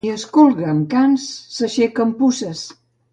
Qui es colga amb cans, s'aixeca amb puces.